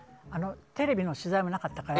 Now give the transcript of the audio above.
テレビの取材もないから。